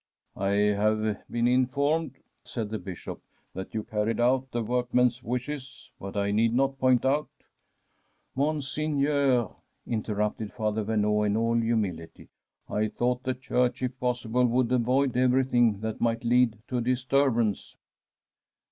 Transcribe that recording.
• I have been informed,' said the Bishop, * that you carried out the workmen's wishes. But I need not point out '* Monseigneur,* interrupted Father Vemeau in all humility, ' I tiiought the Church, if possible, From a SWEDISH HOMESTEAD would avoid ever3rthing that might lead to a dis turbance.'